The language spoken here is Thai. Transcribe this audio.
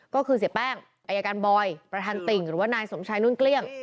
ก็คือเสียแป้งอายการบอยประธานติ่งหรือว่านายสมชายนุ่นเกลี้ยง